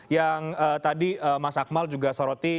yang tadi mas akmal juga soroti